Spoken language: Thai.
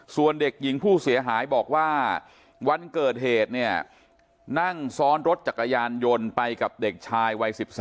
ส่วนเด็กหญิงผู้เสียหายบอกว่าวันเกิดเหตุเนี่ยนั่งซ้อนรถจักรยานยนต์ไปกับเด็กชายวัย๑๓